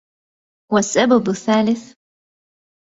وَالسَّبَبُ الثَّالِثُ